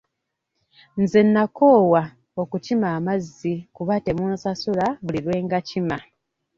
Nze nnakoowa okukima amazzi kuba temunsasula buli lwe ngakima.